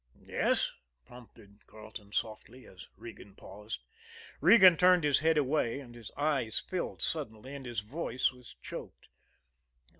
"Yes?" prompted Carleton softly, as Regan paused. Regan turned his head away as his eyes filled suddenly and his voice was choked.